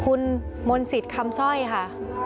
คุณมนศิษย์คำสร้อยค่ะ